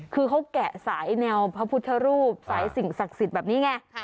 คือเขาแกะสายแนวพระพุทธรูปสายสิ่งศักดิ์สิทธิ์แบบนี้ไง